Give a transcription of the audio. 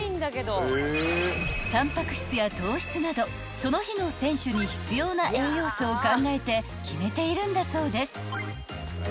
［タンパク質や糖質などその日の選手に必要な栄養素を考えて決めているんだそうです］